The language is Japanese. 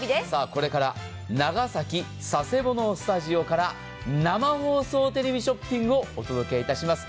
これから長崎・佐世保市のスタジオから生放送テレビショッピングをお届けします。